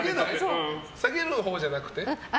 下げるほうじゃなくて？